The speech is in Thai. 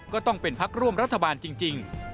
ก็ต้องเป็นพักร่วมรัฐบาลจริง